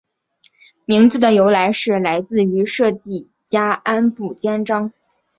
名字的由来是来自于设计家安部兼章。